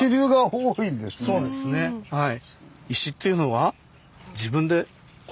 そうなんですねはい。